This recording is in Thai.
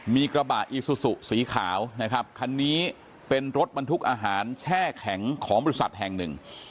มีกระบะอีซูซูสีขาวนะครับคันนี้เป็นรถบรรทุกอาหารแช่แข็งของบริษัทแห่งหนึ่ง